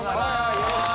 よろしく。